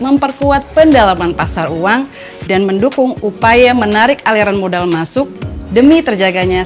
memperkuat pendalaman pasar uang dan mendukung upaya menarik aliran modal masuk demi terjaganya